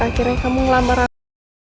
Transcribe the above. akhirnya kamu ngelamar aku